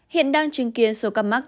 hiện đang chứng kiến số các mắc